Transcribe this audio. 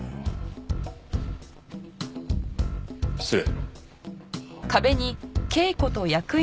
失礼。